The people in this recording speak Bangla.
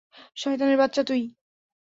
শয়তানের বাচ্চা তুই।